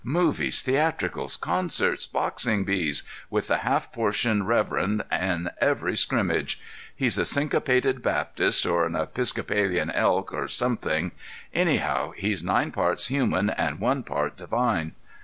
Movies, theatricals, concerts, boxing bees—with the half portion reverend in every scrimmage. He's a Syncopated Baptist, or an Episcopalian Elk, or something; anyhow, he's nine parts human and one part divine.